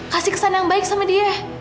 kasih kesan yang baik sama dia